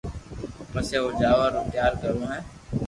پسي او جاوا رو تيارو ڪرو ھي